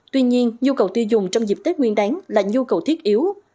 tuy nhiên nhu cầu tiêu dùng trong dịp tết nguyên đáng là nhu cầu thiết yếu